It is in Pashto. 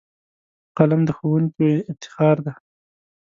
قلم د ښوونکیو افتخار دی